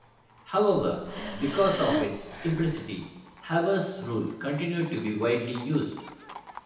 However, because of its simplicity, Haber's rule continued to be widely used.